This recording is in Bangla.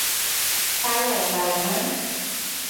পালাও, বালামার!